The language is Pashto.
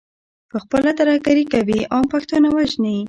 پخپله ترهګري کوي، عام پښتانه وژني.